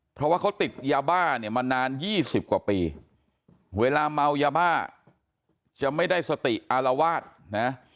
เพราะว่าเขาติดยาบ้าเนี่ยมานาน๒๐กว่าปีเวลาเมายาบ้าจะไม่ได้สติอารวาสนะ